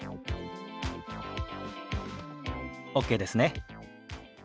ＯＫですね。